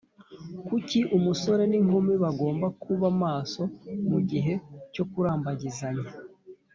Kuki umusore n’inkumi bagomba kuba maso mu gihe cyo kurambagizanya?